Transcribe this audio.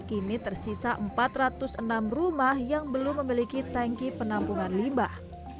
kini tersisa empat ratus enam rumah yang belum memiliki tanki penampungan limbah